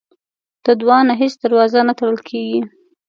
د دعا نه هیڅ دروازه نه تړل کېږي.